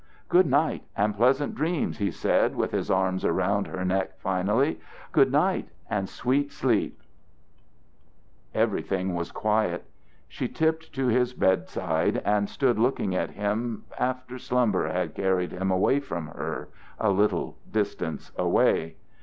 "Good night and pleasant dreams!" he said, with his arms around her neck finally. "Good night and sweet sleep!" Everything was quiet. She had tipped to his bedside and stood looking at him after slumber had carried him away from her, a little distance away.